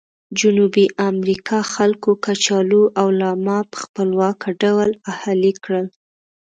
جنوبي امریکا خلکو کچالو او لاما په خپلواکه ډول اهلي کړل.